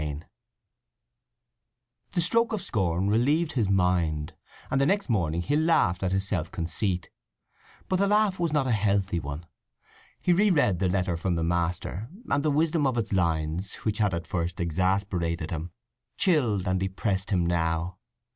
VII The stroke of scorn relieved his mind, and the next morning he laughed at his self conceit. But the laugh was not a healthy one. He re read the letter from the master, and the wisdom in its lines, which had at first exasperated him, chilled and depressed him now.